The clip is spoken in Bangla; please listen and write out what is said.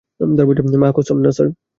মা কসম, না, স্যার।